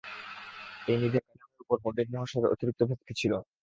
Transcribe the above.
এই নিধিরামের উপর পণ্ডিতমহাশয়ের অতিরিক্ত ভক্তি ছিল।